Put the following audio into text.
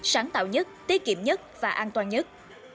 sáng tạo nhất tiết kiệm nhất và an toàn nhất